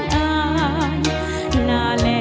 ขอบคุณครับ